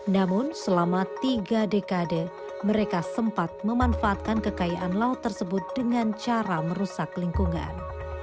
namun selama tiga dekade mereka sempat memanfaatkan kekayaan laut tersebut dengan cara merusak lingkungan